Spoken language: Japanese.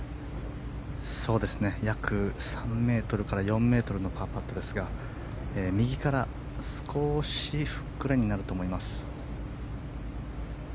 約３ｍから４ｍのパーパットですが、右から少しフックラインになると思います。